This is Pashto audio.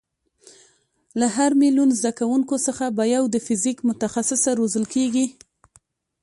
له هر میلیون زده کوونکیو څخه به یو د فیزیک متخصصه روزل کېږي.